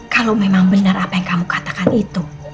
kalau memang benar apa yang kamu katakan itu